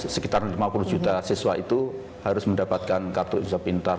sekitar lima puluh juta siswa itu harus mendapatkan kartu indonesia pintar